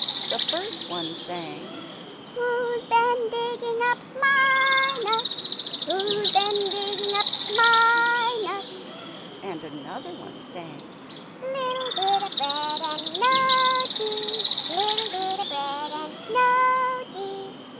The first one sang "Who's bin digging up MY nuts? Who's been digging up MY nuts?" And another sang "Little bita bread and NO cheese! Little bit a bread an' NO cheese!"